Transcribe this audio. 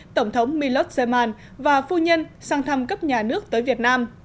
tổng thống milot zeman và phu nhân sang thăm cấp nhà nước tới việt nam